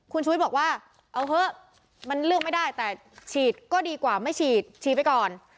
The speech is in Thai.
คุณชุวิตบอกว่าเอาเถอะมันเลือกไม่ได้แต่ฉีดก็ดีกว่าไม่ฉีดฉีดไปก่อน